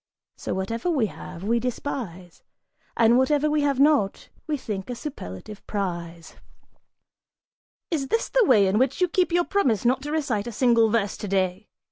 So whatever we have, we despise, And whatever we have not, we think a superlative prize!" "Is this the way in which you keep your promise not to recite a single verse today?"